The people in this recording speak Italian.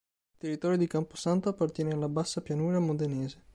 Il territorio di Camposanto appartiene alla bassa pianura modenese.